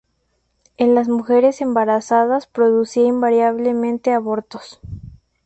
En las mujeres embarazadas producía invariablemente abortos.